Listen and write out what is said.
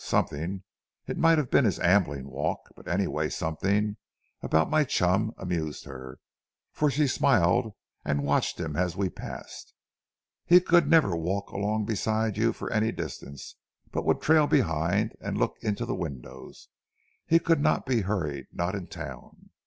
Something—it might have been his ambling walk, but, anyway, something—about my chum amused her, for she smiled and watched him as we passed. He never could walk along beside you for any distance, but would trail behind and look into the windows. He could not be hurried—not in town.